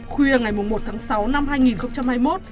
khuya ngày một tháng sáu năm hai nghìn hai mươi một